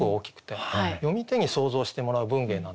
読み手に想像してもらう文芸なんですよね。